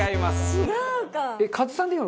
違うか。